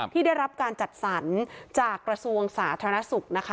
ที่ได้รับการจัดสรรจากกระทรวงสาธารณสุขนะคะ